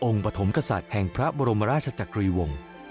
ปฐมกษัตริย์แห่งพระบรมราชจักรีวงศ์